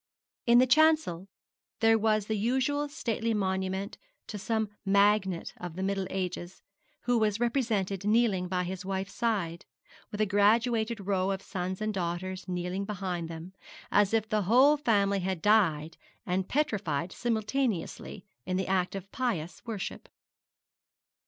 In the chancel there was the usual stately monument to some magnate of the middle ages, who was represented kneeling by his wife's side, with a graduated row of sons and daughters kneeling behind them, as if the whole family had died and petrified simultaneously, in the act of pious worship.